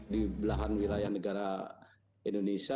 di belahan wilayah negara indonesia